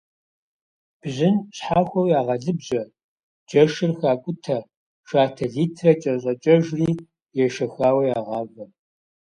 Бжьын щхьэхуэу ягъэлыбжьэ, джэшыр хакӏутэ, шатэ литрэ кӏэщӏакӏэжри ешэхауэ ягъавэ.